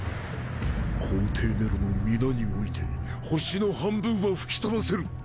皇帝ネロの御名において星の半分は吹き飛ばせる。